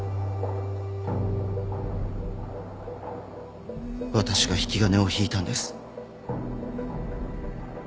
私が引き金を引いたんです。